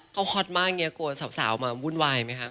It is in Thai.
เขาฮอตมากเนี่ยกลัวสาวมาวุ่นวายไหมคะ